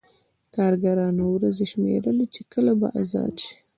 کارګرانو ورځې شمېرلې چې کله به ازاد شي